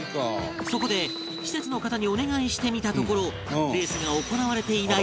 そこで施設の方にお願いしてみたところレースが行われていない